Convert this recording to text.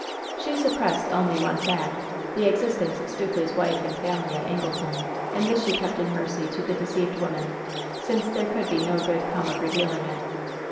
She suppressed only one fact — ^the existence of Stukely's wife and family at Angleton— ^ and this she kept in mercy to the deceived woman, since there could be no good come of revealing it.